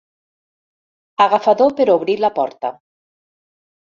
Agafador per obrir la porta.